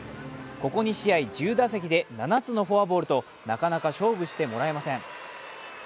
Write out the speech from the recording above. ここ２試合１０打席で７つのフォアボールと、なかなか勝負してもらえません。